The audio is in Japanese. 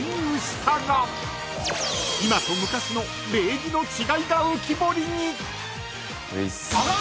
［今と昔の礼儀の違いが浮き彫りに］